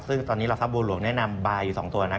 ซึ่งตอนนี้เราซับบูรณ์หลวงแนะนำบาร์อยู่๒ตัวนะครับ